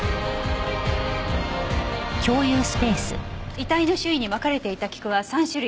遺体の周囲にまかれていた菊は３種類。